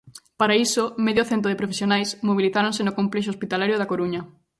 Para iso, medio cento de profesionais mobilizáronse no Complexo Hospitalario da Coruña.